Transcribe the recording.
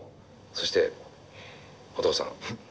そしてお父さん。